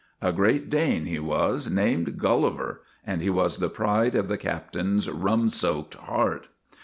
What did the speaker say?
A Great Dane he was, named Gulli ver, and he was the pride of the captain's rum soaked heart.